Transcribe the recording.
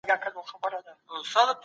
ما د مطالعې دا عادت تر اوسه ساتلی دی.